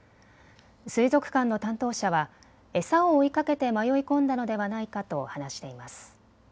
水族館の担当者は餌を追いかけて迷い込んだのではないかと話しています。